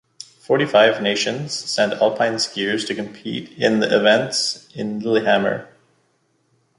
Forty-five nations sent alpine skiers to compete in the events in Lillehammer.